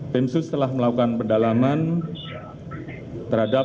tim sus telah melakukan pendalaman terhadap